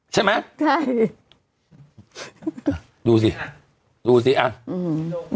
ใช่ไหมใช่ดิอ่ะดูสิดูสิอ่ะอืม